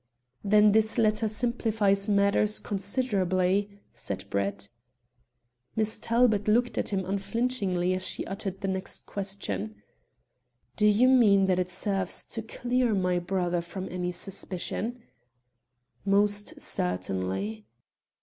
"Then this letter simplifies matters considerably," said Brett. Miss Talbot looked at him unflinchingly as she uttered the next question: "Do you mean that it serves to clear my brother from any suspicion?" "Most certainly."